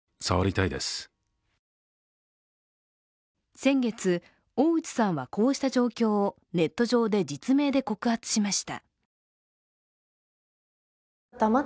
先月、大内さんはこうした状況をネット上で実名で告発しました。